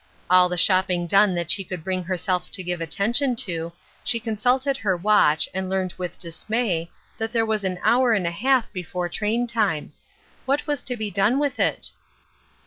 All the shopping done that she could bring herself to give attention to, she consulted her watch, and learned with dismay, that there was an hour and a half before train time. What was to be done with it